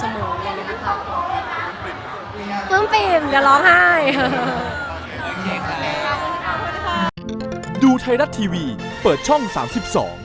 เพิ่งเป็นเดี๋ยวร้องไห้